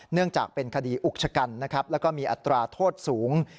เนื่องจากเป็นคดีอุกชะกันนะครับแล้วก็มีอัตราโทษสูง